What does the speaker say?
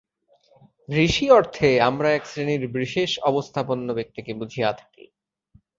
ঋষি-অর্থে আমরা এক শ্রেণীর বিশেষ-অবস্থাপন্ন ব্যক্তিকে বুঝিয়া থাকি।